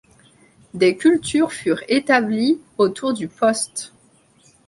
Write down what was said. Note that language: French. Des cultures furent établies autour du poste.